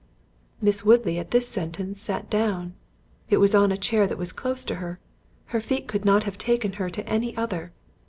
Miss Woodley at this sentence sat down—it was on a chair that was close to her—her feet could not have taken her to any other.